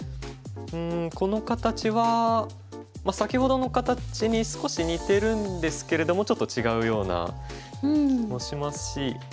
うんこの形は先ほどの形に少し似てるんですけれどもちょっと違うような気もしますし。